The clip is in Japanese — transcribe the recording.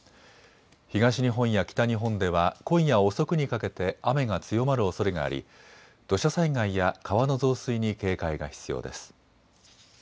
東日本や北日本では今夜遅くにかけて雨が強まるおそれがあり土砂災害や川の増水に警戒が必要です。